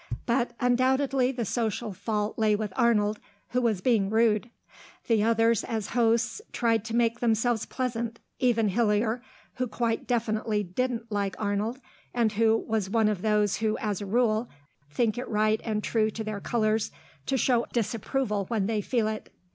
But undoubtedly the social fault lay with Arnold, who was being rude. The others, as hosts, tried to make themselves pleasant even Hillier, who quite definitely didn't like Arnold, and who was one of those who as a rule think it right and true to their colours to show disapproval when they feel it.